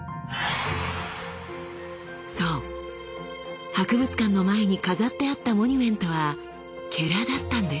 そう博物館の前に飾ってあったモニュメントはだったんです。